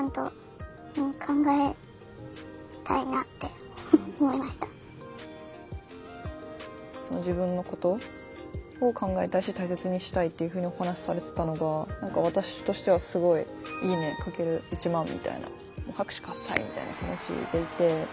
話を聞いて自分のことを考えたいし大切にしたいというふうにお話しされてたのが私としてはすごい「いいね×１万」みたいなもう拍手喝采みたいな気持ちでいて。